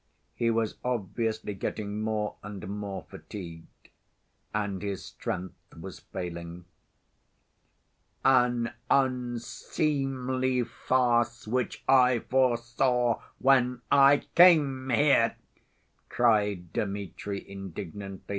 He was obviously getting more and more fatigued, and his strength was failing. "An unseemly farce which I foresaw when I came here!" cried Dmitri indignantly.